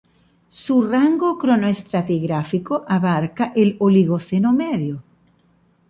Su rango cronoestratigráfico abarca el Oligoceno medio.